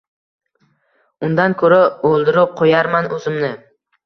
Undan ko‘ra o‘ldirib qo‘yarman o‘zimni